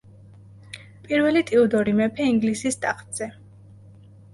პირველი ტიუდორი მეფე ინგლისის ტახტზე.